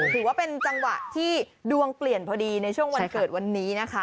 ถือว่าเป็นจังหวะที่ดวงเปลี่ยนพอดีในช่วงวันเกิดวันนี้นะคะ